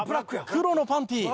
黒のパンティ！